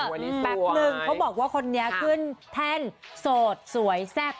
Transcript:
แป๊บนึงเขาบอกว่าคนนี้ขึ้นแท่นโสดสวยแซ่บ